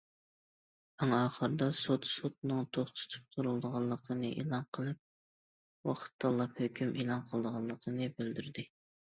ئەڭ ئاخىرىدا سوت سوتنىڭ توختىتىپ تۇرۇلىدىغانلىقىنى ئېلان قىلىپ، ۋاقىت تاللاپ ھۆكۈم ئېلان قىلىدىغانلىقىنى بىلدۈردى.